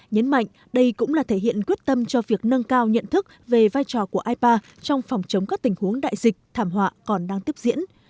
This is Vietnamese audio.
nhấn mạnh đây cũng là thể hiện quyết tâm cho việc nâng cao nhận thức về vai trò của ipa trong phòng chống các tình huống đại dịch thảm họa còn đang tiếp diễn